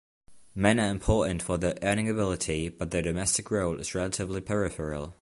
Men are important for their earning ability, but their domestic role is relatively peripheral.